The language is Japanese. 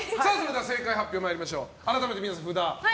正解発表参りましょう。